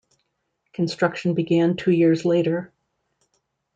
Construction began two years later.